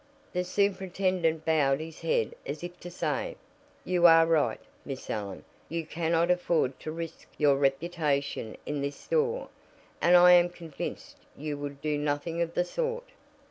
The superintendent bowed his head as if to say: "You are right, Miss Allen, you cannot afford to risk your reputation in this store, and I am convinced you would do nothing of the sort."